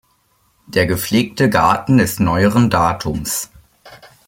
Der gepflegte Garten ist neueren Datums.